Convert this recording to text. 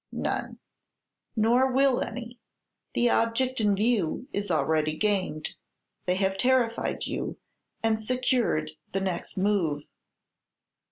"None." "Nor will any. The object in view is already gained; they have terrified you, and secured the next move."